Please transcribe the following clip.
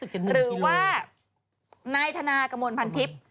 หรือว่านายธนากระมวลพันทิพย์